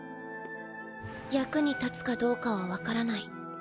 役に立つかどうかは分からない。